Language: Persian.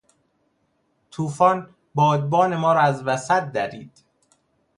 توفان بادبان ما را از وسط درید.